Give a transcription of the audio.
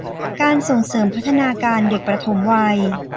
การส่งเสริมพัฒนาการเด็กปฐมวัย